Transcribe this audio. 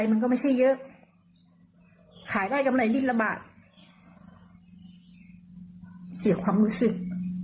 คนทำงานตากแดดตากฝนตากลมแต่โดนโกงห้าน้ำมันซึ่งจริงแล้วกำไรมัน